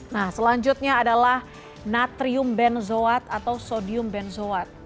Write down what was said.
nah selanjutnya adalah natrium benzoat atau sodium benzoat